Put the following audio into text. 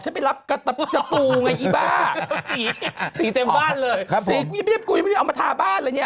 ฉันไปรับกระตับสตูไงอีบ้าสีเต็มบ้านเลยสีกูยังไม่ได้เอามาทาบ้านเลยเนี่ย